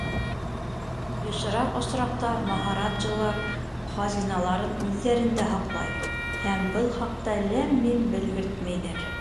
Йышыраҡ осраҡта маһараджалар хазиналарын үҙҙәрендә һаҡлай һәм был хаҡта ләм-мим белгертмәйҙәр.